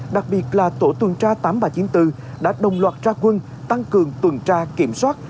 đặc biệt là tổ tuần tra tám nghìn ba trăm chín mươi bốn đã đồng loạt ra quân tăng cường tuần tra kiểm soát